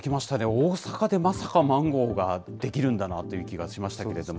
大阪でまさかマンゴーが出来るんだなという気がしましたけれども。